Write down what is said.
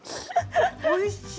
おいしい。